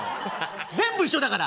全部一緒だから。